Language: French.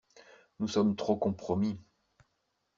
Nous sommes trop compromis.